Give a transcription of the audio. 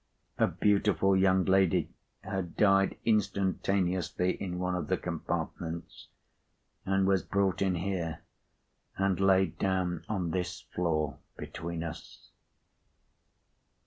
A beautiful young lady had died instantaneously in one of the compartments, and was brought in here, and laid down on this floor between us."